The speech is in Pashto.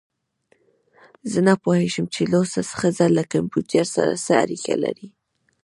زه نه پوهیږم چې لوڅه ښځه له کمپیوټر سره څه اړیکه لري